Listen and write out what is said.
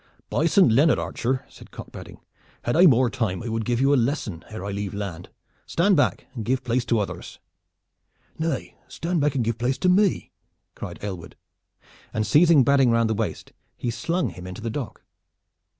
"By Saint Leonard! archer," said Cock Badding, "had I more time I would give you a lesson ere I leave land. Stand back and give place to others!" "Nay, stand back and give place to me!" cried Aylward, and seizing Badding round the waist he slung him into the dock.